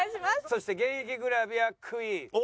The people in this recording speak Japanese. そして現役グラビアクイーン森咲さん。